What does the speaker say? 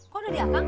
kok udah diakang